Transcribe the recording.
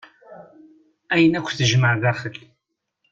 Ayen akk tejmaɛ daxel.